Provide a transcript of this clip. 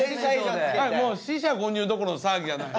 もう四捨五入どころの騒ぎじゃない。